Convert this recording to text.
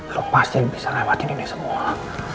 kau pasti bisa lewatin ini semua